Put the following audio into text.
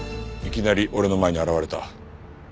いきなり俺の前に現れた。